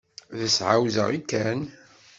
Ad as-d-ɛawdeɣ i Ken?